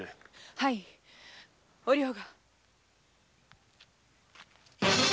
はいお涼が。